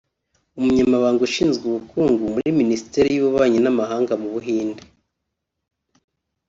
Umunyamabanga ushinzwe ubukungu muri Minisiteri y’Ububanyi n’amahanga mu Buhinde